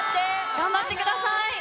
頑張ってください。